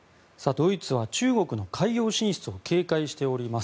ドイツは、中国の海洋進出を警戒しております。